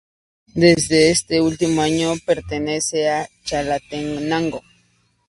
Desde este último año pertenece a Chalatenango.